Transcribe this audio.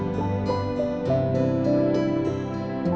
tetep atau duit